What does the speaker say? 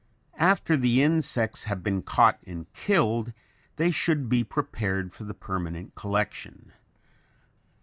] After the insects, have been caught and killed, they should then be prepared for the permanent collection.